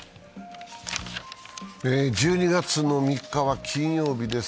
１２月３日は金曜日です。